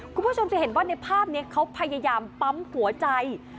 คุณผู้ชมจะเห็นว่าในภาพนี้เขาพยายามปั๊มหัวใจ